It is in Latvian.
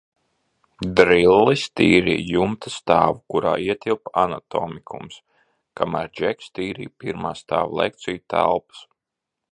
Drillis tīrīja jumta stāvu, kurā ietilpa anatomikums, kamēr Džeks tīrīja pirmā stāva lekciju telpas.